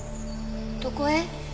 どこへ？